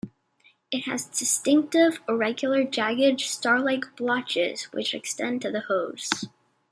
It has distinctive, irregular, jagged, star-like blotches which extend to the hooves.